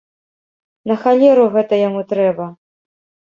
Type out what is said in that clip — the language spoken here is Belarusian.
На халеру гэта яму трэба?